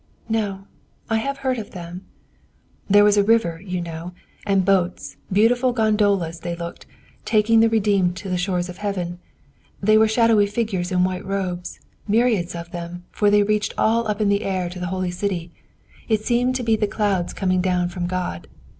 "No. I have heard of them." "There was a river, you know, and boats, beautiful gondolas they looked, taking the redeemed to the shores of Heaven. They were shadowy figures in white robes, myriads of them, for they reached all up in the air to the holy city; it seemed to be in the clouds coming down from God.